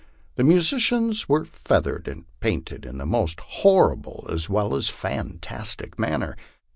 The musicians were feathered and painted in the most horrible as well as fantastic manner.